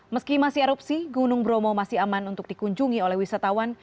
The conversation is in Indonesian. meski masih erupsi gunung bromo masih aman untuk dikunjungi oleh wisatawan